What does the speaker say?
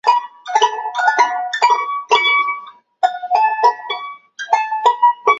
该物种的模式产地在俄罗斯乌里扬诺夫斯克。